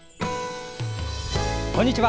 こんにちは。